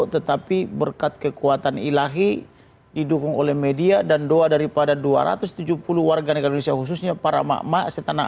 tetapi berkat kekuatan ilahi didukung oleh media dan doa daripada dua ratus tujuh puluh warga negara indonesia khususnya para emak emak